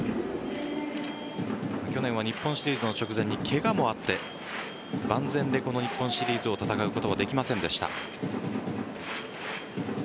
去年は日本シリーズの直前にケガもあって万全で、この日本シリーズを戦うことはできませんでした。